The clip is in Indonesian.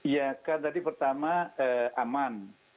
ya kan tadi pertama aman